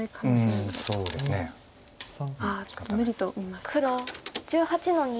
あ無理と見ましたか。